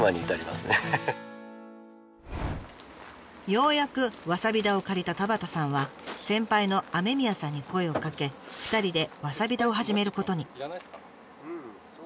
ようやくわさび田を借りた田端さんは先輩の雨宮さんに声をかけ２人でわさび田を始めることに。